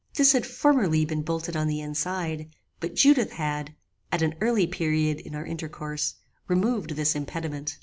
This had formerly been bolted on the inside, but Judith had, at an early period in our intercourse, removed this impediment.